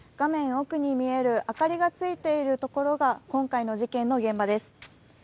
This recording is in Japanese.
奥に見える明かりがついているところが今回の事件の現場です。